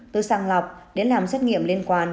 từ sàng lọc đến làm xét nghiệm liên quan